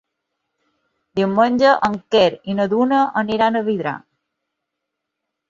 Diumenge en Quer i na Duna aniran a Vidrà.